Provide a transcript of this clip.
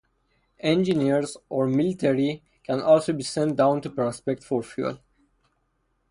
Engineers or military can also be sent down to prospect for fuel.